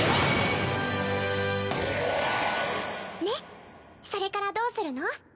ねっそれからどうするの？